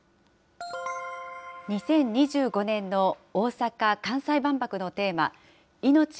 ２０２５年の大阪・関西万博のテーマ、いのち